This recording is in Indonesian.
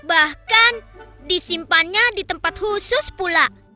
bahkan disimpannya di tempat khusus pula